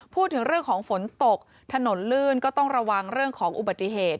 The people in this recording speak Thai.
พูดถึงเรื่องของฝนตกถนนลื่นก็ต้องระวังเรื่องของอุบัติเหตุ